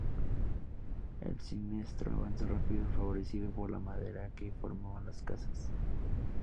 El siniestro avanzó rápido favorecido por la madera que conformaba las casas.